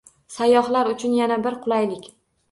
Sayyohlar uchun yana bir qulaylik